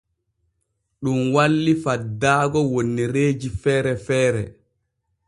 Ɗun walli faddaago wonnereeji feere feere.